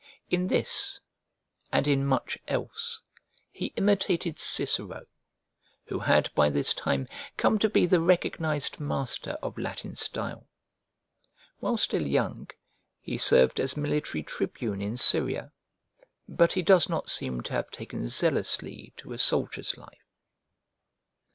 In this and in much else he imitated Cicero, who had by this time come to be the recognized master of Latin style. While still young he served as military tribune in Syria, but he does not seem to have taken zealously to a soldier's life.